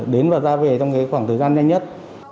đến và ra về trong cái khoảng thời gian nhanh nhất